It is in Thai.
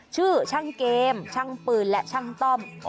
ชื่อช่างเกมช่างปืนและช่างต้อม